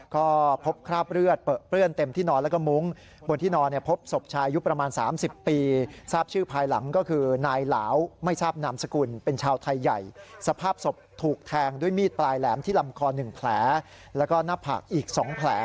ก็พบคราบเลือดเปลื้อนเต็มที่นอนและก็มุ้ง